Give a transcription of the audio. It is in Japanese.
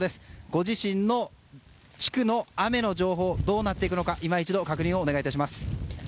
ご自身の地区の雨の情報がどうなっていくのか今一度、確認をお願いいたします。